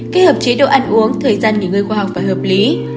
kết hợp chế độ ăn uống thời gian nghỉ ngơi khoa học và hợp lý